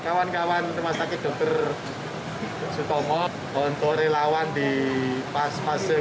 kami berharap bahwa kita bisa mencari uji klinis vaksin merah putih